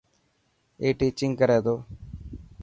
اي ٽيچنگ ڪري تي.